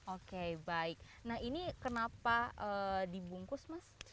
oke baik nah ini kenapa dibungkus mas